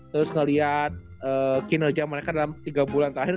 terus ngelihat kinerja mereka dalam tiga bulan terakhir